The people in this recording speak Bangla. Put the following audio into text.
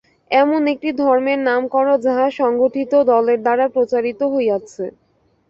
এমন একটি ধর্মের নাম কর, যাহা সংগঠিত দলের দ্বারা প্রচারিত হইয়াছে।